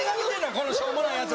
このしょうもないやつ